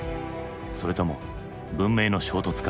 それとも文明の衝突か？